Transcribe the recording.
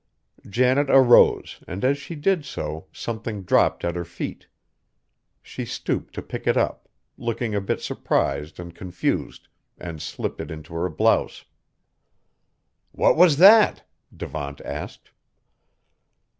Janet arose, and as she did so something dropped at her feet. She stooped to pick it up, looked a bit surprised and confused, and slipped it into her blouse. "What was that?" Devant asked.